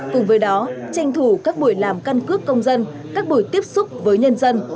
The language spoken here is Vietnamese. cùng với đó tranh thủ các buổi làm căn cước công dân các buổi tiếp xúc với nhân dân